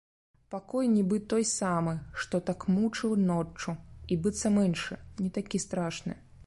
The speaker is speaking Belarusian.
Пакой нібы той самы, што так мучыў ноччу, і быццам іншы, не такі страшны.